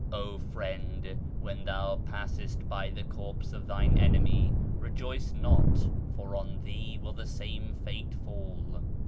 " 0 friend ! when tliou passest by the corpse of thine enemy Rejoice not, for on thee will the same fate fall."